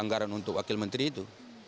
anggaran untuk wakil menteri itu